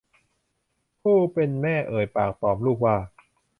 ผู้เป็นแม่เอ่ยปากตอบลูกว่า